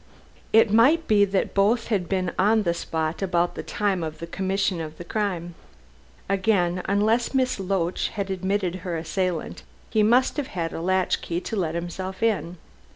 It might be that both had been on the spot about the time of the commission of the crime. Again, unless Miss Loach had admitted her assailant, he must have had a latch key to let himself in.